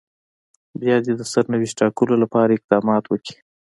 بيا دې د سرنوشت ټاکلو لپاره اقدامات وکړي.